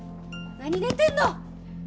何寝てんの！